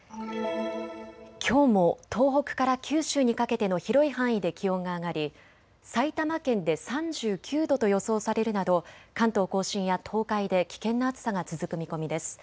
きょうも東北から九州にかけての広い範囲で気温が上がり埼玉県で３９度と予想されるなど関東甲信や東海で危険な暑さが続く見込みです。